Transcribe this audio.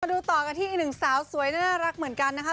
ดูต่อกันที่อีกหนึ่งสาวสวยน่ารักเหมือนกันนะคะ